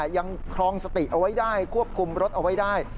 ยังครองสติเอาไว้ได้ควบคุมรถเอาไว้ได้